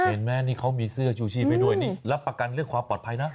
เห็นไหมนี่เขามีเสื้อชูชีพให้ด้วยนี่รับประกันเรื่องความปลอดภัยนะ